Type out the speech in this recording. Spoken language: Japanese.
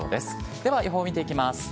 では予報見ていきます。